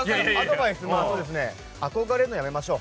もう憧れるのやめましょう。